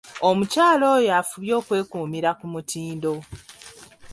Omukyala oyo afubye okwekuumira ku mutindo.